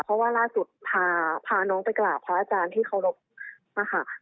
เพราะว่าล่าสุดพาน้องไปกราบพระอาจารย์ที่เคารพนะคะ